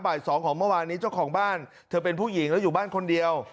บ่าย๒ของเมื่อวานนี้เจ้าของบ้านเธอเป็นผู้หญิงแล้วอยู่บ้านคนเดียว